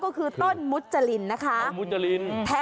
โอ้ชื่อฮิตเนอะ